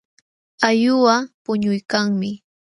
Allquqa puñuykanmi.